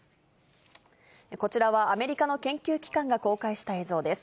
こちらは、アメリカの研究機関が公開した映像です。